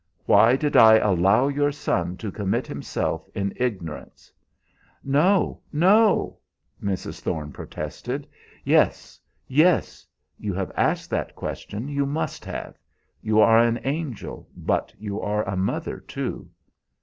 Why did I allow your son to commit himself in ignorance?" "No, no!" Mrs. Thorne protested. "Yes, yes! You have asked that question, you must have. You are an angel, but you are a mother, too."